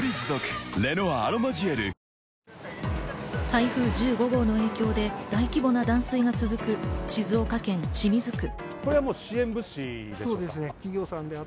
台風１５号の影響で大規模な断水が続く静岡県清水区。